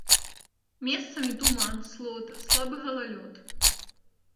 Месцамі туман, слота, слабы галалёд.